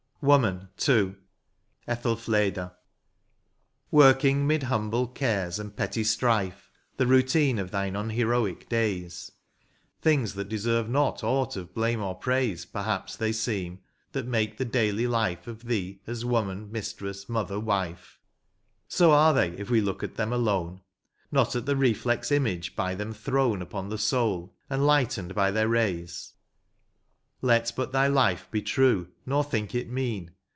Ill LV. WOMAN. — II. ETHELFLEDA. Working 'mid humble cares and petty strife The routine of thine unheroic days. Things that deserve not aught of blame or praise^ Perhaps they seem, that make the daily life Of thee as woman, mistress, mother, wife ; So are they, if we look at them alone. Not at the reflex image by them thrown Upon the soul, and lightened by their rays. Let but thy life be true, nor think it mean.